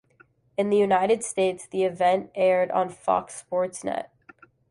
In the United States the event aired on Fox Sports Net.